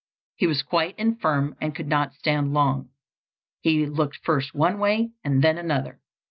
He was quite infirm and could not stand long. He looked first one way and then another.